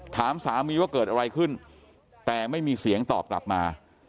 ถามสามีว่าเกิดอะไรขึ้นแต่ไม่มีเสียงตอบกลับมา